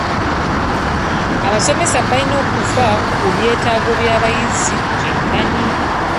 Abasomesa balina okufa ku byetaago by'abayizi kyenkanyi.